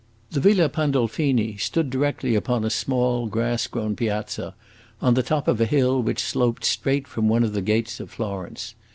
The Villa Pandolfini stood directly upon a small grass grown piazza, on the top of a hill which sloped straight from one of the gates of Florence.